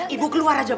ibu keluar aja